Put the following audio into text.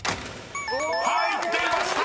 ［入っていました！